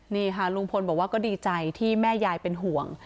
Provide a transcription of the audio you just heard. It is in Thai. นี่ค่ะลุงพลบอกว่าก็ดีใจที่แม่ยายเป็นห่วง